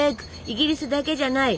イギリスだけじゃない。